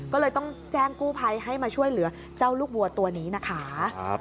ก็เลยต้องแจ้งกู้ภัยให้มาช่วยเหลือเจ้าลูกวัวตัวนี้นะคะ